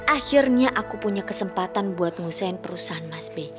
akhirnya aku punya kesempatan buat ngusain perusahaan mas b